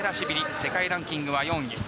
世界ランキングは４位。